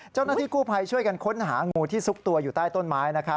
เจ้าหน้าที่กู้ภัยช่วยกันค้นหางูที่ซุกตัวอยู่ใต้ต้นไม้